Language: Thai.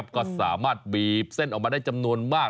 ก็สามารถบีบเส้นออกมาได้จำนวนมาก